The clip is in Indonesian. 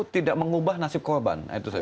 tidak mengubah nasib korban